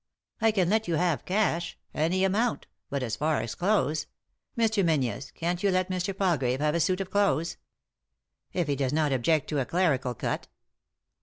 " I can let you hare cash— any amount ; but as for clothes— Mr. Menses, can't you let Mr. Palgrave bare a suit of clothes ?"" If he does not object to a clerical cot."